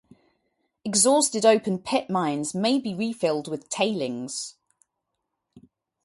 Exhausted open pit mines may be refilled with tailings.